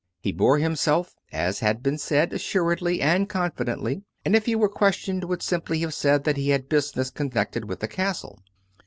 He bore himself, as has been said, assuredly and confidently; and if he were questioned would simply have said that he had business con nected with the Castle.